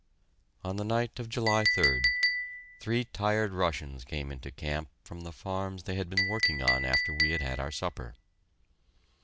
On the night of July 3d, three tired Russians came into camp from the farms they had been working on after we had had our supper.